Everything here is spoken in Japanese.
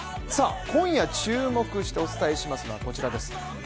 今夜、注目してお伝えしますのはこちらです。